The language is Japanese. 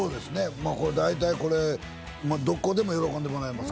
大体これ、どこでも喜んでもらえますよ。